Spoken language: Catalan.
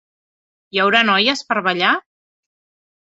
Hi haurà noies per a ballar?